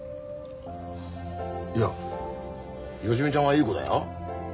いや芳美ちゃんはいい子だよ。